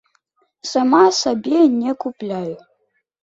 Сама сабе не купляю.